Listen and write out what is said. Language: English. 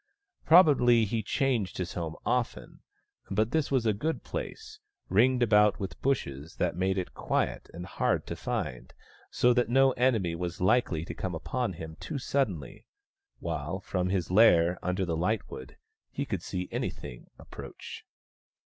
Probably he changed his home often ; but this was a good place, ringed about with bushes that made it quiet and hard to find, so that no enemy was likely to come upon him too suddenly ; while, from his lair under the lightwood, he could see anything approach.